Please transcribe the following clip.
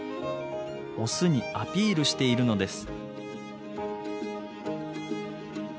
オスにアピールしているのです。